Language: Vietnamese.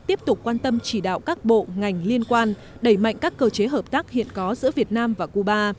tiếp tục quan tâm chỉ đạo các bộ ngành liên quan đẩy mạnh các cơ chế hợp tác hiện có giữa việt nam và cuba